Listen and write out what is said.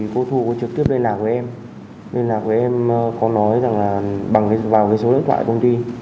cô thu trực tiếp liên lạc với em liên lạc với em có nói rằng là vào số lễ thoại công ty